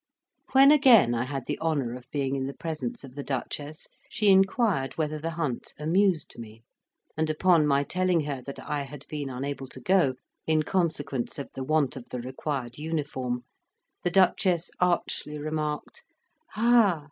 When again I had the honour of being in the presence of the Duchess, she inquired whether the hunt amused me; and upon my telling her that I had been unable to go, in consequence of the want of the required uniform, the Duchess archly remarked "Ah!